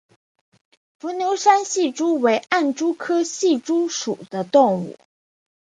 伏牛山隙蛛为暗蛛科隙蛛属的动物。